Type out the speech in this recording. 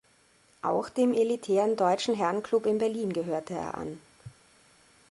Auch dem elitären Deutschen Herrenklub in Berlin gehörte er an.